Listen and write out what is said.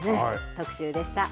特集でした。